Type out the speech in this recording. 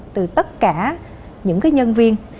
từ tất cả những nhân viên